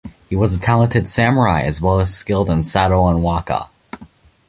He was a talented samurai as well as skilled in sado and waka.